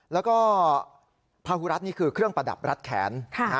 แล้วก็พาหุรัฐนี่คือเครื่องประดับรัดแขน